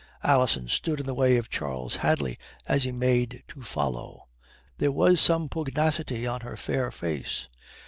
Alison stood in the way of Charles Hadley as he made to follow. There was some pugnacity on her fair face.